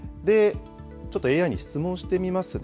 ちょっとＡＩに質問してみますね。